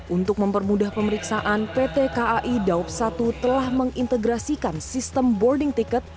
untuk mempermudah pemeriksaan pt kai daup satu telah mengintegrasikan sistem boarding ticket